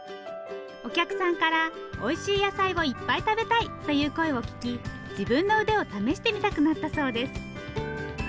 お客さんからおいしい野菜をいっぱい食べたいという声を聞き自分の腕を試してみたくなったそうです。